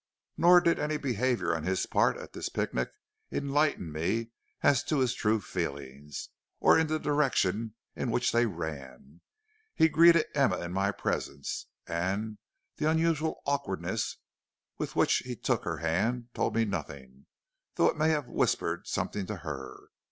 "Nor did any behavior on his part at this picnic enlighten me as to his true feelings, or the direction in which they ran. He greeted Emma in my presence, and the unusual awkwardness with which he took her hand told me nothing, though it may have whispered something to her.